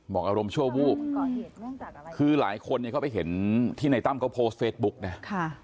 บอกอารมณ์ชั่ววูกคือหลายคนเนี่ยเขาไปเห็นที่นายตั้มก็โพสต์เฟซบุ๊กเนี่ย